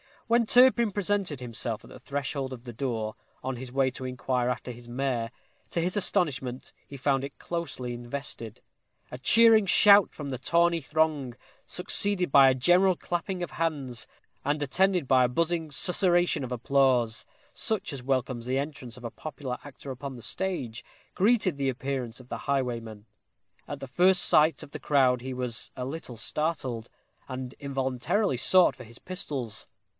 When Turpin presented himself at the threshold of the door, on his way to inquire after his mare, to his astonishment he found it closely invested. A cheering shout from the tawny throng, succeeded by a general clapping of hands, and attended by a buzzing susurration of applause, such as welcomes the entrance of a popular actor upon the stage, greeted the appearance of the highwayman. At the first sight of the crowd he was a little startled, and involuntarily sought for his pistols.